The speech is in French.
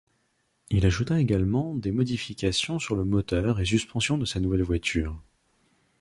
Il ajouta également des modifications sur le moteur et suspension de sa nouvelle voiture.